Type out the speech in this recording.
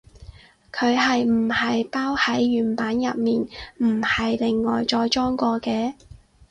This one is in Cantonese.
佢係唔係包喺原版入面，唔係另外再裝過嘅？